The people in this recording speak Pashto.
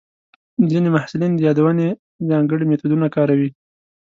ځینې محصلین د یادونې ځانګړي میتودونه کاروي.